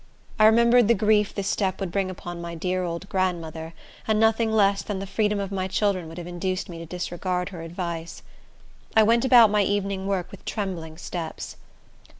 I remembered the grief this step would bring upon my dear old grandmother, and nothing less than the freedom of my children would have induced me to disregard her advice. I went about my evening work with trembling steps.